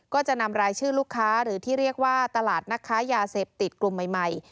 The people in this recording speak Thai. ก็จะนำรายชื่อลูกค้าหรือที่เรียกว่าตลาดนักค้ายาเสพติดกลุ่มใหม่